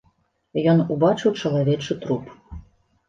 Ён убачыў чалавечы труп.